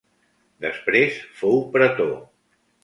Després fou pretor.